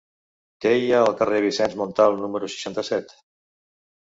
Què hi ha al carrer de Vicenç Montal número seixanta-set?